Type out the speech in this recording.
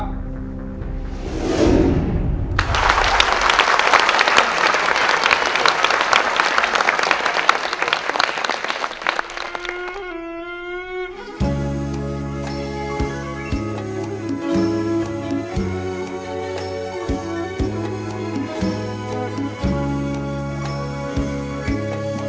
ไม่ใช้ค่ะ